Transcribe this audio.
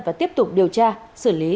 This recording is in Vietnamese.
và tiếp tục điều tra xử lý